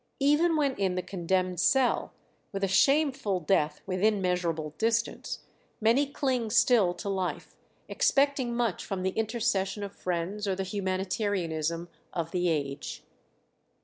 Even when in the condemned cell, with a shameful death within measurable distance, many cling still to life, expecting much from the intercession of friends or the humanitarianism of the age.